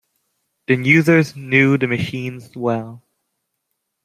The users knew the machines well.